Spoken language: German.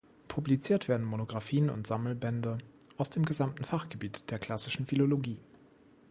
Publiziert werden Monographien und Sammelbände aus dem gesamten Fachgebiet der Klassischen Philologie.